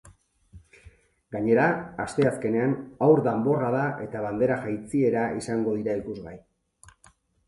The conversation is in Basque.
Gainera, asteazkenean haur danborrada eta bandera jaitsiera izango dira ikusgai.